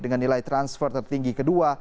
dengan nilai transfer tertinggi kedua